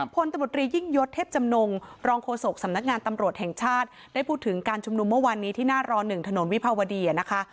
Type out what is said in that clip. พลตำรวจรียิ่งยศเทพจำนงรองโฆษกสำนักงานตำรวจแห่งชาติได้พูดถึงการชุมนุมเมื่อวานนี้ที่หน้าร๑ถนนวิภาวดีนะคะ